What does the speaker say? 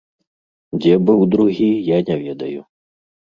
Дзе быў другі, я не ведаю.